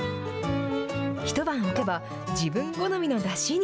一晩置けば、自分好みのだしに。